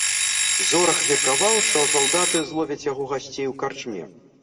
Зорах меркаваў, што салдаты зловяць яго гасцей у карчме.